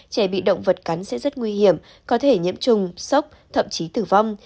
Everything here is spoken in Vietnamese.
trẻ bị động vật cắn sẽ rất nguy hiểm có thể nhiễm trùng sốc thậm chí tử vong